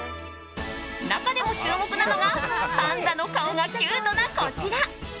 中でも注目なのがパンダの顔がキュートなこちら。